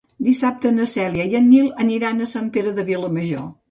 Dissabte na Cèlia i en Nil aniran a Sant Pere de Vilamajor.